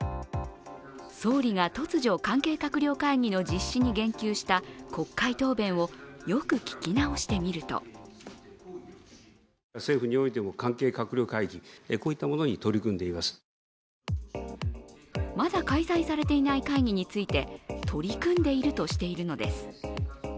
総理が突如、関係閣僚会議の実施に言及した国会答弁をよく聞き直してみるとまだ開催されていない会議について、取り組んでいるとしているのです。